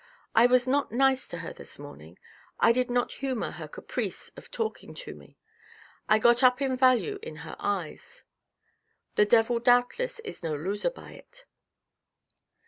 " I was not nice to her this morning. I did not humour her caprice of talking to me. I got up in value in her eyes. The Devil doubtless is no loser by it.